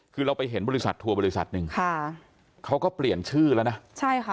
คือเราไปเห็นบริษัททัวร์บริษัทหนึ่งค่ะเขาก็เปลี่ยนชื่อแล้วนะใช่ค่ะ